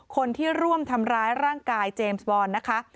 คนที่ร่วมทำร้ายร่างกายเจมส์บอลนะคะ